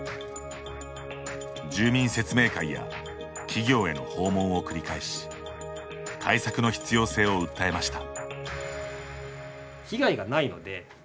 住民説明会や企業への訪問を繰り返し対策の必要性を訴えました。